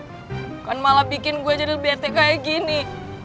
bukan malah bikin gue jadi bete kayak gini